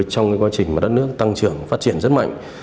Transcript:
trong quá trình đất nước tăng trưởng phát triển rất mạnh